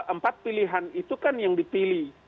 empat pilihan itu kan yang dipilih